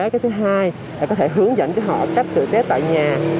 cái thứ hai là có thể hướng dẫn cho họ cách